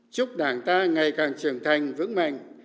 chúc đảng ta ngày càng trưởng thành vững mạnh